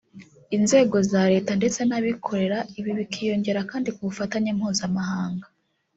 Inzego za Leta ndetse n’Abikorera; ibi bikiyongera kandi ku bufatanye Mpuzamahanga